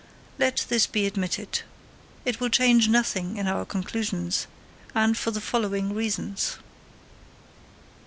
Let this be admitted. It will change nothing in our conclusions, and for the following reasons.